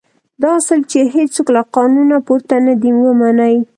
دا اصل چې هېڅوک له قانونه پورته نه دی ومني.